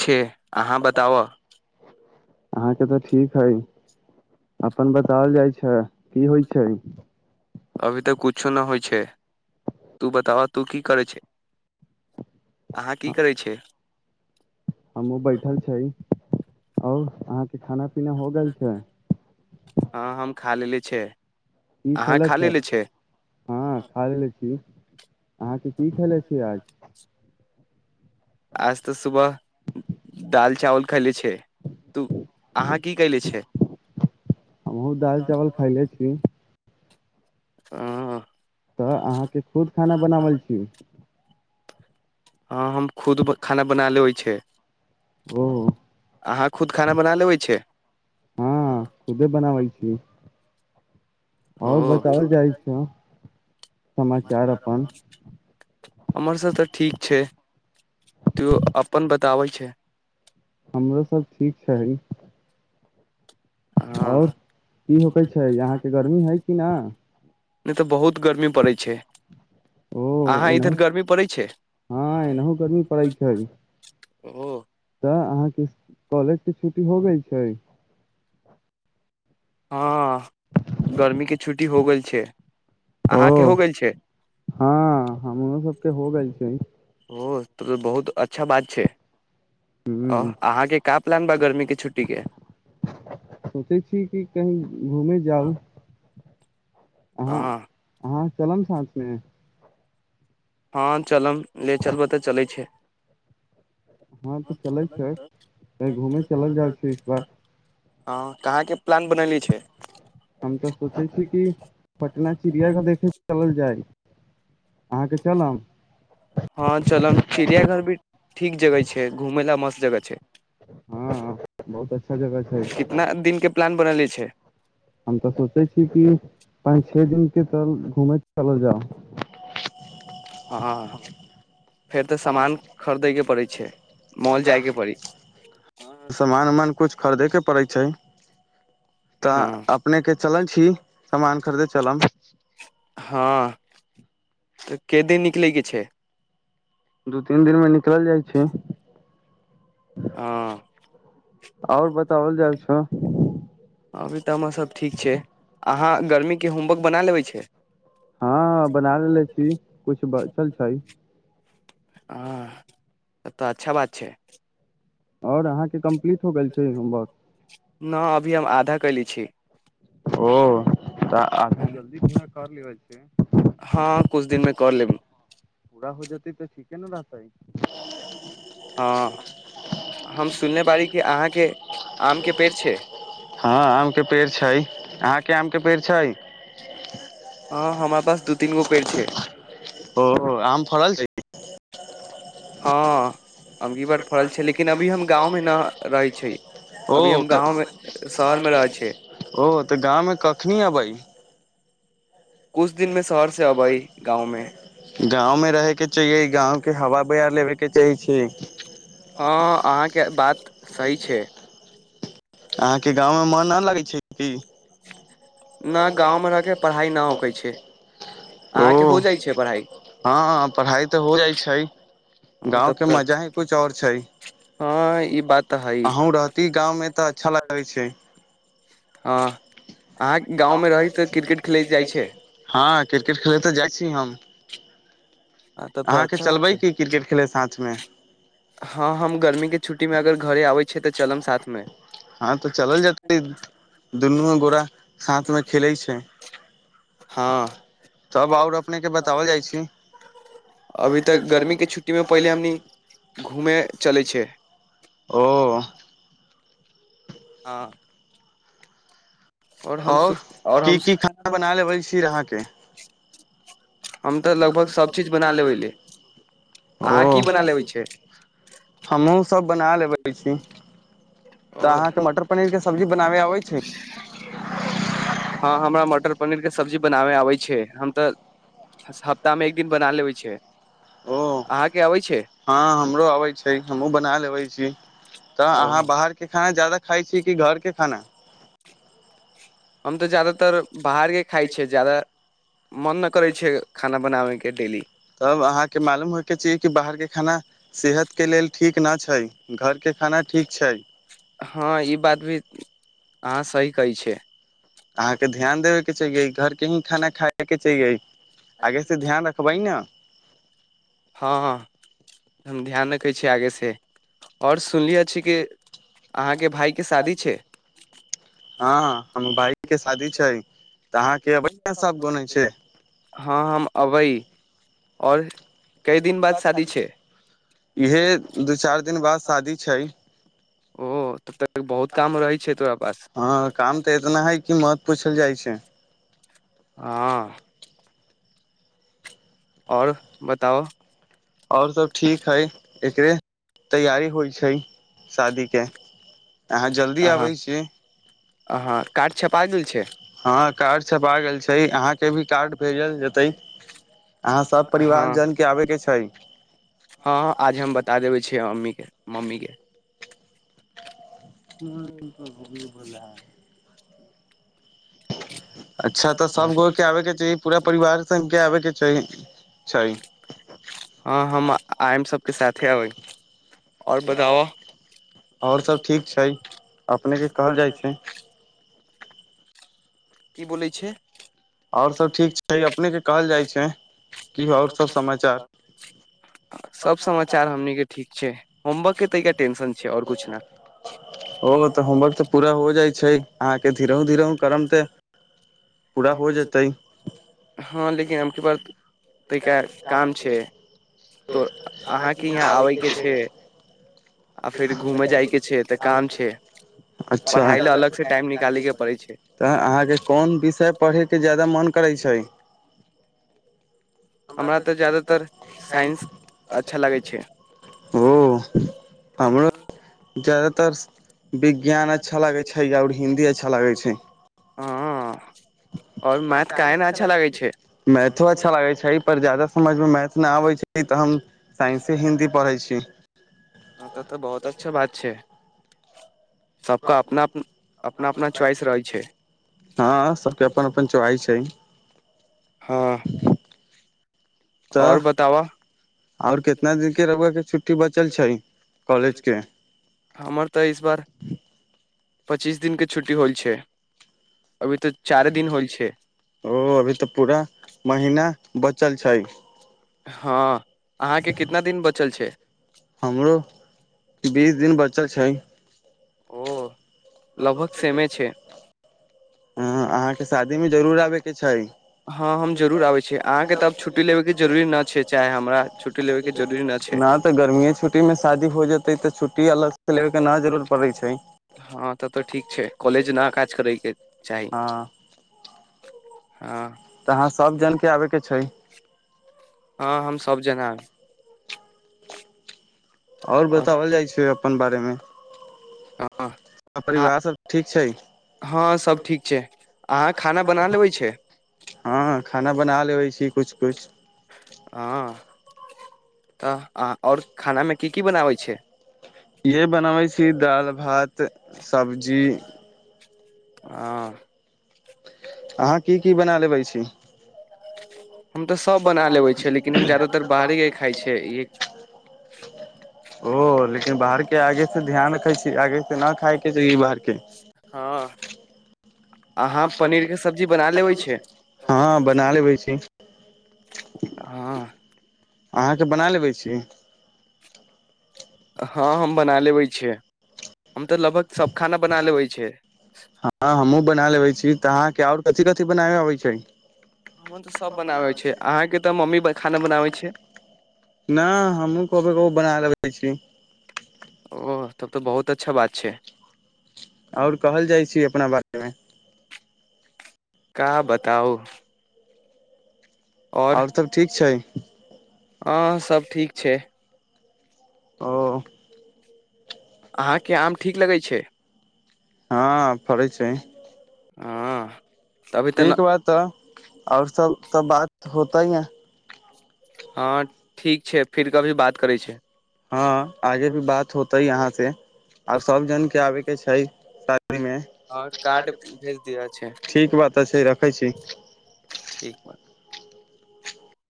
छै अहाँ बताबह अहाँके तऽ ठीक हइ अपन बताओल जाइ छै की होइ छै अभी तक कुछो न होइ छै तू बताव तू की करै छै अहाँ की करै छै हमहु बैठल छै आओर अहाँके खाना पीना हो गेल छै हँ हम खा लेलेे छै ई अहाँ खेले खा छै लेलेे हँ खा लेले छी अहाँके की खेले छी आज आज तऽ सुबह दाल चावल खैले छै तू अहाँ की कैले छै हमहूँ हमहूँ दालि दाल चावल खयले छी खेले ह तऽ अहाँके खुद खाना बनावल छी हँ हम खुद खाना बना लेै छै ओ अहाँ खुद खाना बना लेबै छै हँ खुदे बनाबै छी आओर ओ बताओल जाइ छै समाचार अपन हमर सब तऽ ठीक छै तो अपन बताबै छै हमरो सभ ठीक छै हँ आओर नहि की होके छै अहाँके गर्मी हइ कि ना नहि तऽ बहुत गर्मी पड़ैत छै ओ अहाँ एनहु इधर गर्मी पड़ै छै हँ एनहु गरमी पड़ै छै ओ तऽ अहाँके कॉलेज के छुट्टी हो गई छै हँ गर्मी के छुट्टी हो गेल छै अहाँके ओ हो गेल छै हँ हमरो सबके हो गेल छै ओ तऽ बहुत अच्छा बात छै ओ ह अहाँके क प्ान बा गरमी सोचै छी कि कही घूमे जाउ हँ चलन साथमे हँ चलम ले चलबऽ तऽ चलै छै हँ तऽ चलै छै घूमे चलल जाइ छै इस बार हँ कहाँके प्लान बनली छै हम तऽ सोचै छी कि पटना चिड़िया के देखे चलल जाय अहाँके च हँ चल चिड़ियाघर ठीक जगह छै घूमेय ला मस्त जगह छै हँ बहुत अ कितना दिन के प्लान बनले छै हम तऽ सोचै छीिय कि पाँच छे दिन के तल घूमे चलल जाउ हँ फेर तऽ सामान खरीदे के पड़ै छै मॉल जाय के पड़ी समान उमान कुछ खरीदे के पड़ै छै हँ अपने के चलल छी सामान खरीदे चलम हँ तऽ क दिन निकलयके छै दू तीन दिन में निकल जाइ छै च छ हँ आओर बताओल जाय छौ अभी तऽ हमरसभ ठीक छै अहाँ गर्मीके होमवर्क बना लेबै छै हँ बना ले छी कुछ बचल छै हँ तऽ अच्छा बात छै आओर अहाँके कम्प्लीट हो गेल छै बस कली छी ओ तऽ आधा जल्दी पूरा कर लि छै हँ कुछ दिन मे कर लेब पूरा हो जेतै तऽ ठीक केना रहतै हँ हम सुनी, सुनले बारी कि अहाँमे अहाँके आमके पेड़ छै? हँ, आमके पेड़ छै। अहाँके आमके पेड़ छै, हँ हमरा पास दू तीन गो पेड़ छै ओ आम फड़ल छै। ा [inaudible] अमगी बर फड़ल छै लेकिन अभी हम गाँव मे न रहै छै ओ अभी हम गाँव मे शहर मे रहै छै ओ तऽ गाँव मे कखनी अबै कुछ दिनमें शहर से अबई गाँवमें गाँवमे रहैके के चाए गाँव के हवा पर बैर लेबैके चाहै छी हँ अहाँके बात सही छै अहाँके गाँव मे मन नहि लगैत छै की न गाँवमे रहिके पढ़ाइ नहि होकै छै ओ अहाँके हो जाइ छै पढ़ाई हँ पढ़ाई तऽ हो जाइ छै हँ तब गाँवके तऽ मजा ही कुछ और छै हँ ई बात तऽ हइ अहूँ हँ रहती गाँवमे तऽ अच्छा लगै छै अहाँ गाँवमे रही तऽ क्रिकेट खेलैत जाइ छै हँ क्रिकेट खेलैत तऽ जाइ छी हम ह तब तऽ अहाँके अच्छा बात चलबै छै की क्रिकेट खेले साथमे हँ हम गर्मी के छुट्टी मे अगर घरे आबै छिय तऽ चलब साथमे हँ तऽ चलल जेतै दुनू गोरा साथमे खेलै छै हँ तब आओर अपने के बताओल जाइ छी अभी तऽ तक गर्मी गमी के छुट्टी मे स्ित पहिले हमनी घूमे चले पहिेल छै ओ आ आओर हम सु आओर की हम की खाना बना लेबै छी अहाँके हम तऽ लगभग सभ चीज बना लेबैले ओ अहाँ की बना लेबै छै हमहूँ सब बना लेबै छी तऽ आओ अहाँके मटर पनीर के सब्जी बनाबे आबै छै हँ हमरा मटर पनीर के सब्जी बनाबे आबै छै हम तऽ हप्ताह मे एक दिन बना लेबे छै ओ अहाँके अबै छै हँ हमरो आबै छै हमहुँ बना लेबे छी तऽ ओ अहाँ बाहरके खाना जदाा खााय छी कि घर के खाना हम तऽ जदातर बाहरके खाइ छियै ज्यादा मन नहि करै छै खाना बनाबैके के ेली तब अहाँके मालूम होयके ची कि बाहरके खाना सेहतके लेल ठीक न छै घरके खाना ठीक छै हँ ई बात भी हँ सी कै छै अहाँ के ध्यान देबे के छैाह कि ई घर के ही खाना खा क के चाएइ आगे से ध्यान रखबै ने हँ हम ध्यान देखै छ आगे से आओर सुनलियै छी कि अहाँके भाय के शादी छै हँ हमर भइ के शादी छै तऽ अहाँके अबै सब छै हँ हम अबै आओर कई दिन बाद दाद शादी छै श इहे दू चार दिन बाद शादी छै ओ तब तक बहुत काम रहै छै तोरा पास हँ काम तऽ इतना है कि मत पूछल जाइ छै हँ आओर बताउ आओर सभ ठीक हइ एकरे तैयारी होइ छै शादीके अहाँ जल्दी आबै छीियै अहाँ कार्ड छपा गेल छै हँ कार्ड छपा गेल छै अहाँके भी कार्ड भेजल जेतै यहाँ सब हँ परिवार जन के आबे के छै हँ आज हम बता देबै अछि मम्मीे मम्मी के घमी बो है अच्छा तऽ सब गो के आबे के चाही पूरा परिवार सन के आबे के छै छै हँ हम आम सबके साथे अबै आओर बताब आओर सब ठीक छै अपने के कहल जाइ छै की बोै छै आओर सब ठीक छै अपने के कहल जाइ छै कि आओर सब समाचार सब समाचार हमन के ठीक छै होमवर्क के तैका तऽ टेंशन छै आओर कुछ न होमवर्क तऽ पूरा हो जाइ छै अहाँके धीर धीर त हँ लेकिन आके बात ताहिके काम छै तो अहाँके यहाँ आबैके छै आ फेर घूमै जाइके छै तऽ काम छै पढ़ाइ लए अच्छा अलगसँ टाइम निकालैके पड़ै छै तऽ अहाँके कोन विषय पढ़ैके जादा मन करै छै हमरा तऽ जादातर साइंस अच्छा अच्छाै लगै छै ओ हमरो जादातर विज्ञान अच्छा लागै छै आओर हिन्दी अच्छा लागै छै हँ आओर मैथ काहे ने अच्छा लगै छै मैथो अच्छा लागै छै पर जााद समझमे मैथ नहि आबै छै तऽ हम साइंसे हिन्दी पढ़ै छी हँ तऽ तऽ बहुत अच्छा बात छै सबका अपना अपना अपना च्वाइस रहै छै हँ सबके अपना अपना च्वाइस रहे छै अपन अपन च्वाइस छै हँ तऽ आओर बता बताबह आओर कितना दिन के रुआ छुट्टी बच चल छै कॉलेज के हमर तऽ इस बार पच्चीस दिनके छुट्टी होइ छै अभी तऽ चारि चारे दिन होल हौल छै ओ अभी तऽ पूरा महना बचल छै हँ आहाँ के कितना दिन बचल छै हमरो बीस दिन बचल छै ओ लगभग सेमे छै ह अहाँके शादी आहा के शादी मे जरूर आबै के छै आ हँ हम जरूर आबै छी अहाँके तऽ आब छुट्टी लेबेके जरूरी न छै के चाहे हमरा छुट्टी लेबेके जरूरी न छै त गर्मी छुट्टी मे शादी हो जे छुट्टी अलग से ना लेबै के नहि जरूर पड़ै छै हँ तब तऽ ठीक छै कॉलेज न काज करैके चाही हँ हँ तऽ अहाँ सब जन के आबे के छै हँ हम सभ जना आब आओर बताओल जाइ छै अपन बारे मे हँ परिवार अहाँ- सब ठीक छै हँ सब ठीक छै आहा खाना बना लेबै छी किछु हँ खाना बना लेबे छियै कुछ कुछ हँ आओर खाना मे की की बनाबै छी यह बनाबै छी दालि भात सब्जी आ अहाँ की की बना लेब छी हम तऽ किछो सब बना लेबै छै छि हम लेकिन ज्यादातर के बाहरे खाइ छै ई खाय छी ओ लेकिन के आगे से ध्यान रखे छी आगे से न खायइ के छै ई बाहर के हँ आहा पनीर के सब्जी बना लैबे छियै हँ बना लेबे छी हँ अहाँ के बना लेबे छी हँ हम बना लेबै छियै हम तऽ हमहू लगभग सब खाना बना लेबै लेबे छै छियै हँ हमहुँ बना लेबै छी तऽ अहाँके आओर कथी कथिी बनाब अबै छै हमन तऽ सब बनाबै छै अहाँके तऽ मम्मी खाना बनाबै छै नहि हमहुँ क बना लेबे छी ओ तब तऽ बहुत अच्छा बात छै आओर कहल जाइ छी अपना बारे मे का बताउ और आओर सभ ठीक छै हँ सब ठीक छै ओ अहाँके आम ठीक लगैत छै हँ फड़ै छै हँ तभी तऽ न ठीक बात तऽ आओर सब तऽ बात होता ही है हँ ठीक छै फिर कभी बात करै छै हँ आगे भी बात होतै ह अहाँ से आर सब जन के आबे के छै ओहि मे और कार्ड भेज दिय छै ठीक बात तऽ छै रखै छी ठीक